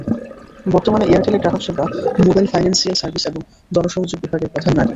বর্তমানে এয়ারটেলের গ্রাহকসেবা, মোবাইল ফাইন্যান্সিয়াল সার্ভিস এবং জনসংযোগ বিভাগের প্রধান নারী।